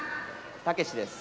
たけしです。